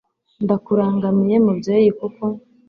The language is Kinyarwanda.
ndakurangamiye mubyeyi, kuko